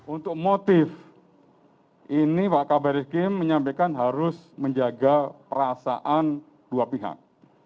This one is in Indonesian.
untuk motif ini pak kabar reskim menyampaikan harus menjaga perasaan dua pihak